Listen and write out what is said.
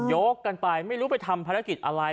ยกกันไปไม่รู้ไปทำภารกิจอะไร